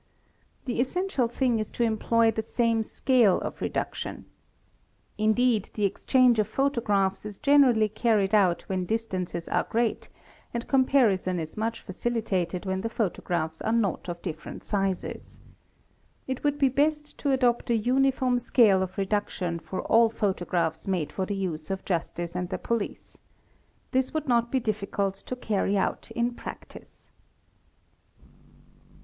The essential thing is to employ the same scale of reduction. Indeed the exchange of photographs is generally carried out when distances are great and comparison is much fa ilitated when the photographs are not of different sizes. It would be best to adopt a uniform scale of reduction for all photographs made for the use of justice and the police. This would not be difficult to carry jut in. practice.